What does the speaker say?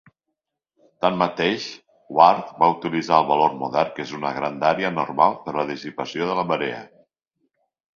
Tanmateix, Ward va utilitzar el valor modern que és d'una grandària anormal per a la dissipació de la marea.